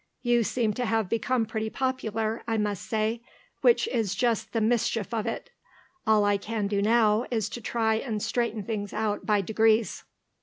You seem to have become pretty popular, I must say; which is just the mischief of it. All I can do now is to try and straighten things out by degrees."